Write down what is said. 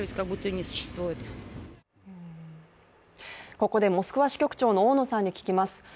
ここでモスクワ支局長の大野さんに聞きます。